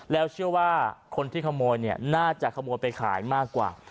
แล้วเชื่อว่าคนที่ขโมยเนี่ยน่าจะขโมยไปขายมากกว่า